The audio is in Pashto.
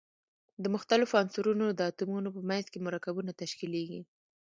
د مختلفو عنصرونو د اتومونو په منځ کې مرکبونه تشکیلیږي.